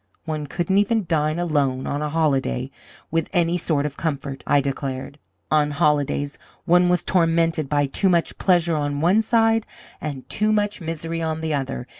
One couldn't even dine alone on a holiday with any sort of comfort, I declared. On holidays one was tormented by too much pleasure on one side, and too much misery on the other.